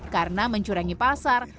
karena mencurangi pasar